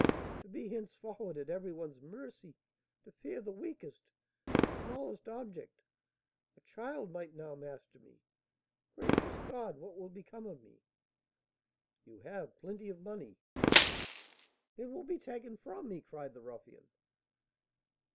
"To be henceforward at every one's mercy, to fear the weakest, the smallest object! a child might now master me! Gracious God! what will become of me?" "You have plenty of money." "It will be taken from me!" cried the ruffian.